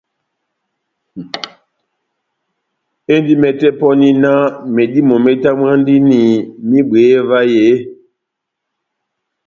Endi mɛtɛ pɔni náh medímo metamwandini mehibweye vahe eeeh ?